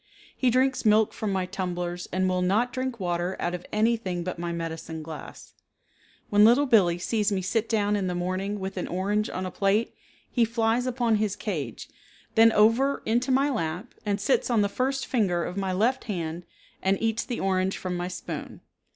He drinks milk from my tumblers and will not drink water out of anything but my medicine glass. When Little Billee sees me sit down in the morning with an orange on a plate, he flies upon his cage, then over into my lap, and sits on the first finger of my left hand and eats the orange from my spoon.